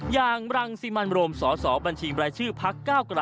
ยางรังซิมันโรมสบชภก